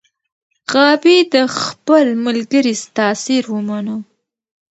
غابي د خپل ملګري تاثیر ومنه.